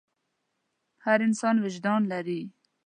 هر انسان وجدان لري.